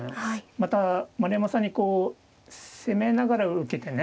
また丸山さんにこう攻めながら受けてね。